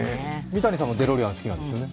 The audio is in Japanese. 三谷さんもデロリアン好きなんですよね？